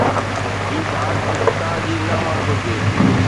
هي گهاٽ اقتدار جي نه هئڻ گهرجي.